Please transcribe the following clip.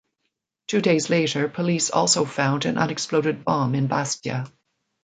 Two days later police also found an unexploded bomb in Bastia.